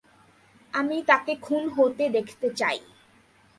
আমি তাকে খুন হতে দেখতে চাই।